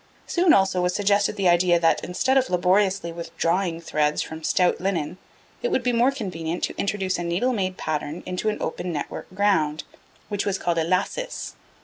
Soon, also, was suggested the idea that, instead of laboriously withdrawing threads from stout linen, it would be more convenient to introduce a needle made pattern into an open network ground, which was called a lacis.